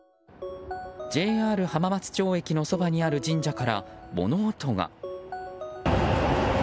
ＪＲ浜松町駅のそばにある神社から、物音が。